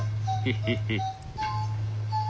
ヘヘヘ。